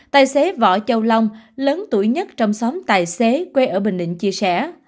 tài xế võ châu long lớn tuổi nhất trong xóm tài xế quê ở bình định chia sẻ